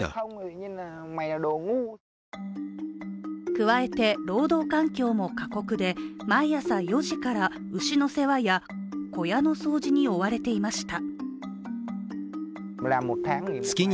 加えて、労働環境も過酷で、毎朝４時から牛の世話や小屋の掃除に追われていました。